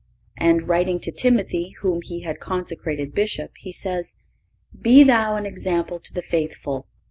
(520) And writing to Timothy, whom he had consecrated Bishop, he says: "Be thou an example to the faithful